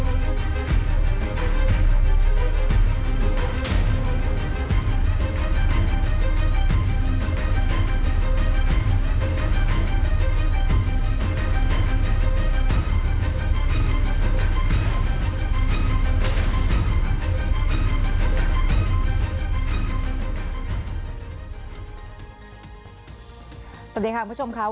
แอนตาซินเยลโรคกระเพาะอาหารท้องอืดจุกเสียดแสบร้อน